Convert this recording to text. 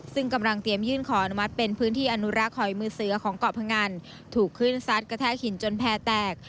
ซึ่งกำลังเตรียมยื่นขออนุมัติเป็นพื้นที่อนุรักษ์หอยมือเสือของเกาะพงันถูกขึ้นซัดกระแทกหินจนแพร่แตก